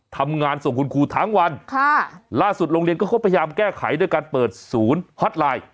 ทำงานส่งคุณครูทั้งวันค่ะล่าสุดโรงเรียนก็เขาพยายามแก้ไขด้วยการเปิดศูนย์ฮอตไลน์